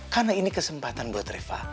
karena ini kesempatan buat reva